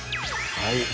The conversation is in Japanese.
はい。